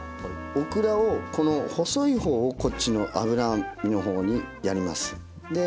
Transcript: オクラをこの細い方をこっちの脂身の方にやります。